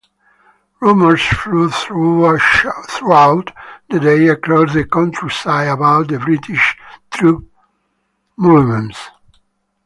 Rumors flew throughout the day across the countryside about the British troop movements.